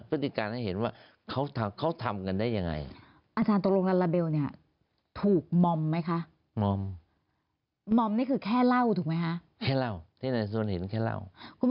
แล้วเขาก็ลายงานให้ทราบ